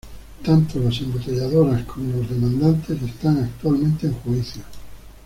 Tanto las embotelladoras como los demandantes están actualmente en juicio.